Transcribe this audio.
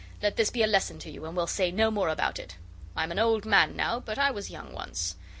Let this be a lesson to you; and we'll say no more about it. I'm an old man now, but I was young once.